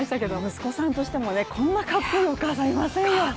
息子さんとしても、こんなかっこいいお母さん、いませんよ。